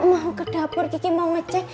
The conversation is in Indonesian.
mau ke dapur kiki mau meceh